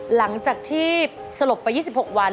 หลังจากที่สลบไป๒๖วัน